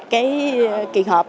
cái kỳ họp